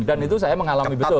dan itu saya mengalami betul